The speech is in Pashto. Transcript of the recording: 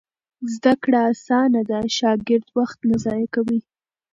زده کړه اسانه ده، شاګرد وخت نه ضایع کوي.